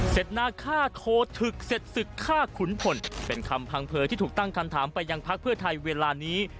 หน้าฆ่าโคทึกเสร็จศึกฆ่าขุนพลเป็นคำพังเผยที่ถูกตั้งคำถามไปยังพักเพื่อไทยเวลานี้